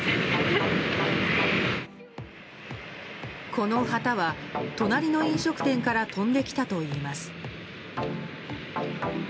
この旗は、隣の飲食店から飛んできたといいます。